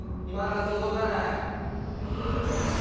まだ届かない。